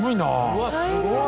うわっすごい。